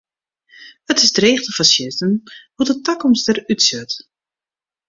It is dreech te foarsizzen hoe't de takomst der út sjocht.